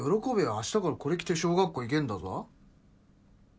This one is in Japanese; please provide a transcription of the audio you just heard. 明日からこれ着て小学校行けんだぞ。